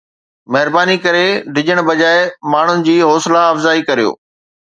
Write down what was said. مھرباني ڪري ڊڄڻ بجاءِ ماڻھن جي حوصلا افزائي ڪريو